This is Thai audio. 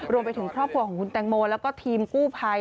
รวมไปถึงครอบครัวของคุณแตงโมแล้วก็ทีมกู้ภัย